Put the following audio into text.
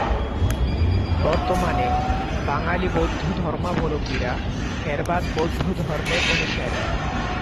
বর্তমানে, বাঙালি বৌদ্ধ ধর্মাবলম্বীরা থেরবাদ বৌদ্ধ ধর্মের অনুসারী।